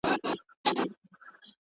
لوی افسر ته یې په سرو سترګو ژړله `